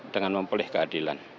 dengan memulih keadilan